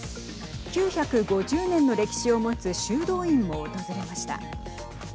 ９５０年の歴史を持つ修道院も訪れました。